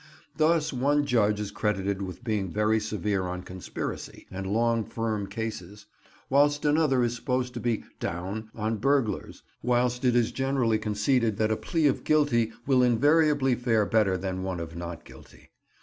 Thus one judge is credited with being very severe on conspiracy and long firm cases, whilst another is supposed to be "down" on burglars, whilst it is generally conceded that a plea of guilty will invariably fare better than one of not guilty.